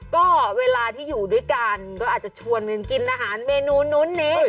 ก็เวลาที่อยู่ด้วยกันก็อาจจะชวนกันกินอาหารเมนูนู้นนี้